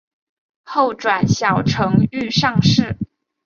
后转小承御上士。